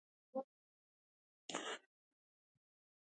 مزارشریف د افغانستان د صنعت لپاره مواد برابروي.